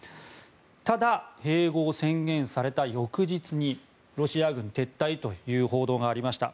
ただ、併合宣言された翌日にロシア軍撤退という報道がありました。